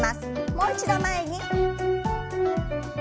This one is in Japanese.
もう一度前に。